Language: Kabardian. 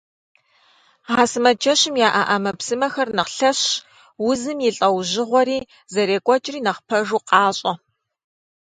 А сымаджэщым яӀэ Ӏэмэпсымэхэр нэхъ лъэщщ, узым и лӀэужьыгъуэри зэрекӀуэкӀри нэхъ пэжу къащӀэ.